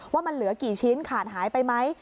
ว่ามันเหลือกี่ชิ้นขาดหายไปไหม